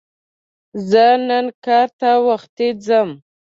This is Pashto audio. زه نن کار ته وختي ځم